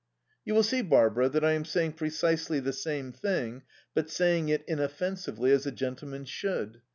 "You will see, Barbara, that I am saying precisely the same thing, but saying it inoffensively, as a gentleman should."